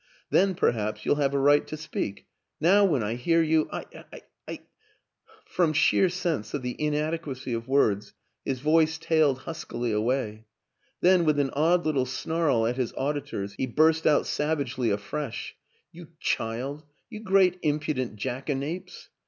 Then, perhaps, you'll have a right to speak; now when I hear you, I I " From sheer sense of the inadequacy of words his voice tailed huskily away; then, with an odd little snarl at his auditors, he burst out savagely afresh: "You child, you great impudent jackanapes!